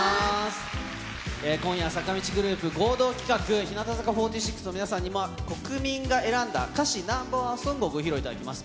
今夜、坂道グループ合同企画、日向坂４６の皆さんにも、国民が選んだ歌詞Ｎｏ．１ソングをご披露いただきます。